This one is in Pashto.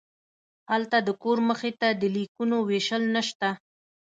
هلته د کور مخې ته د لیکونو ویشل نشته